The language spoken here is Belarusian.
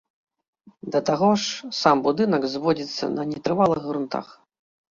Да таго ж, сам будынак зводзіцца на нетрывалых грунтах.